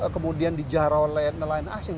kemudian dijahara oleh nelayan asing